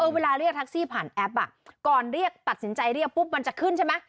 เวลาเรียกแท็กซี่ผ่านแอปก่อนเรียกตัดสินใจเรียกปุ๊บมันจะขึ้นใช่ไหม